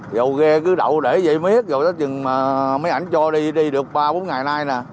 rồi ghê cứ đậu để vậy mới hết rồi tới chừng mà mấy ảnh cho đi đi được ba bốn ngày nay nè